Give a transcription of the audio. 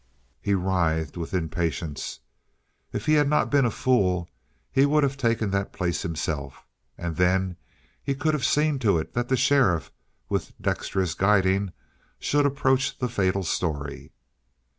He writhed with impatience. If he had not been a fool, he would have taken that place himself, and then he could have seen to it that the sheriff, with dexterous guiding, should approach the fatal story.